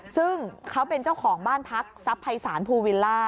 ซึ่งเขาเป็นเจ้าของบ้านพักทรัพย์ภัยศาลภูวิลล่า